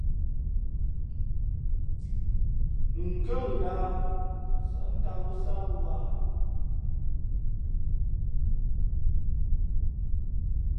N kάghʉ lahā tᾱ nsάʼ ntāt lō sáá wāha ?